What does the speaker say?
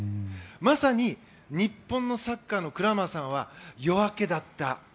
まさに日本のサッカーのクラマーさんは夜明けだった。